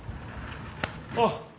あっ。